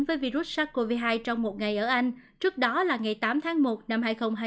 với virus sars cov hai trong một ngày ở anh trước đó là ngày tám tháng một năm hai nghìn hai mươi